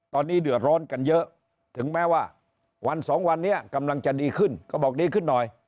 ตอนนี้เดือดร้อนกันเยอะถึงแม้ว่าวันสองวันนี้กำลังจะดีขึ้นก็บอกดีขึ้นหน่อย